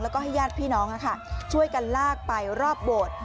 แล้วก็ให้ญาติพี่น้องช่วยกันลากไปรอบโบสถ์